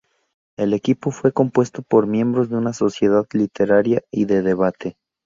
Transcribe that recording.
El equipo fue compuesto por miembros de una sociedad literaria y de debate.